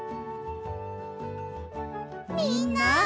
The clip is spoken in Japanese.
みんな！